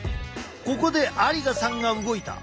ここで有賀さんが動いた。